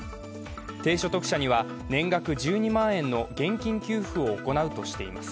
低所得者には年額１２万円の現金給付を行うとしています。